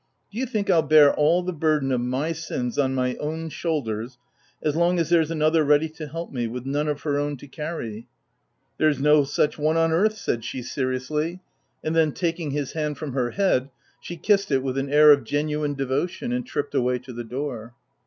Do you think I'll bear all the burden of my sins on my own shoulders, as long as there's another ready to help me, with none of her own to carry ?"" There is no such one on earth," said she OF WILDFELL HALL. 259 seriously; and then, taking his hand from her head, she kissed it with an air of genuine devo tion, and tripped away to the door.